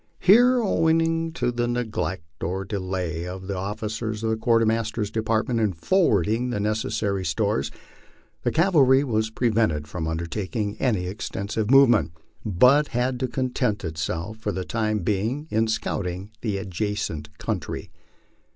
Here, owing to the neglect or delay of the officers of the Quartermaster's Department in forwarding the necessary stores, the cavalry was prevented from undertaking any extensive movement, but had to content itself for the time being in scouting the adjacent country.